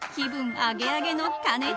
アゲアゲの兼近］